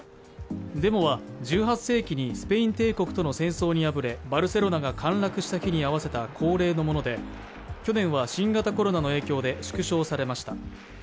デモは１８世紀にスペイン邸国との戦争に敗れ、バルセロナが陥落した日に合わせた恒例のもので、去年は新型コロナの影響で縮小されました。